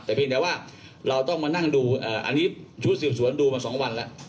แต่เพียงแต่ว่าเราต้องมานั่งดูอันนี้ชุดสืบสวนดูมา๒วันแล้ว